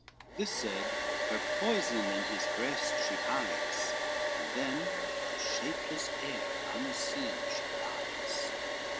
This said, her poison in his breast she hides, And then to shapeless air unseen she glides.